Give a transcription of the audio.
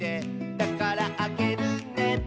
「だからあげるね」